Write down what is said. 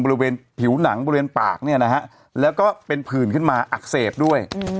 บริเวณผิวหนังบริเวณปากเนี่ยนะฮะแล้วก็เป็นผื่นขึ้นมาอักเสบด้วย